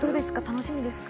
楽しみですか？